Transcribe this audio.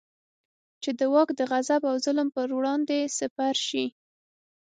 چې د واک د غصب او ظلم پر وړاندې سپر شي.